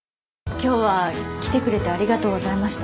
今日は来てくれてありがとうございました。